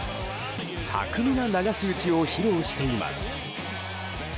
巧みな流し打ちを披露しています。